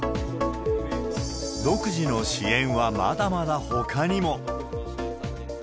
独自の支援はまだまだほかにも。